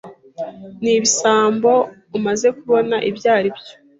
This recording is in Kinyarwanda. Nibisambo umaze kubona ibyaribyo.